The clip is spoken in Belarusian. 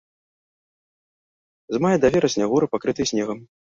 З мая да верасня горы пакрытыя снегам.